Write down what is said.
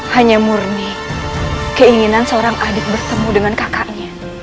hanya murni keinginan seorang adik bertemu dengan kakaknya